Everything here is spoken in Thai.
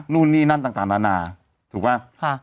นู่นนี่นั่นต่างนานาถูกป่ะ